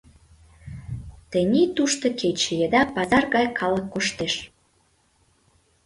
Тений тушто кече еда пазар гай калык коштеш.